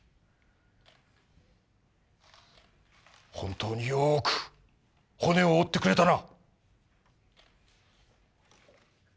本当によく骨を折ってくれたな。